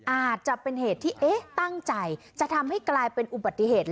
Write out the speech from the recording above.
อาจจะเป็นเหตุที่ตั้งใจจะทำให้กลายเป็นอุบัติเหตุ